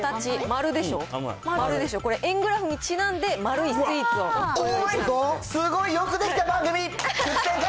丸でしょ、これ、円グラフにちなんで、丸いスイーツをご用意したすごい、よくできた番組。